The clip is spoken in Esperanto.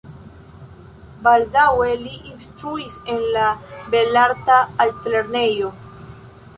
Baldaŭe li instruis en la belarta altlernejo.